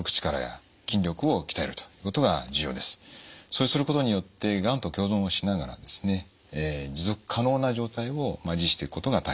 そうすることによってがんと共存をしながらですね持続可能な状態を維持していくことが大切です。